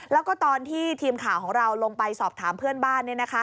แล้วก็ตอนที่ทีมข่าวของเราลงไปสอบถามเพื่อนบ้าน